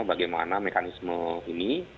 bagaimana mekanisme ini